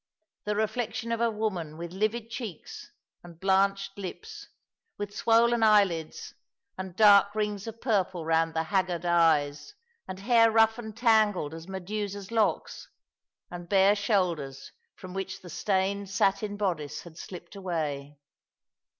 The reflection of a woman with livid cheeks and blanched lips, with swollen eyelids, and dark rings of purple round the haggard eyes, and hair rough and tangled as Medusa's locks, and bare shoulders from which the stained satin bodice had slipped away.